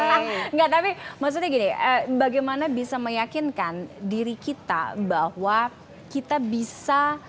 enggak tapi maksudnya gini bagaimana bisa meyakinkan diri kita bahwa kita bisa